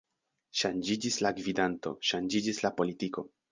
Ŝanĝiĝis la gvidanto, ŝanĝiĝis la politiko.